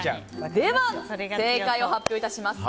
では、正解を発表いたします。